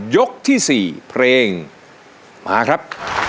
ยกที่๔เพลงมาครับ